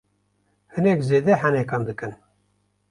Hinek zêde henekan dikin.